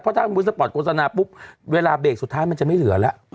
ถ้าสมมุติสปอร์ตโฆษณาปุ๊บเวลาเบรกสุดท้ายมันจะไม่เหลือแล้ว